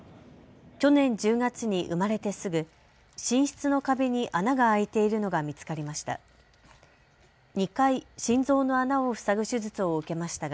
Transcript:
去年１０月に生まれてすぐ心室の壁に穴が開いているのが見つかりました。